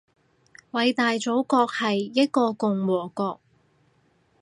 偉大祖國係一個共和國